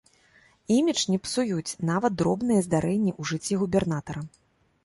Імідж не псуюць нават дробныя здарэнні ў жыцці губернатара.